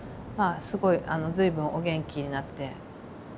まあすごい随分お元気になって。